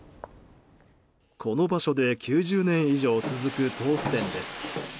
この場所で９０年以上続く豆腐店です。